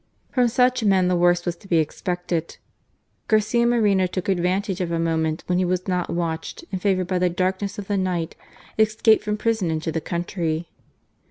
From such men the worst was to be expected. Garcia Moreno took advantage of a moment when he was not watched, and, favoured by the darkness of the night, escaped from prison into the country.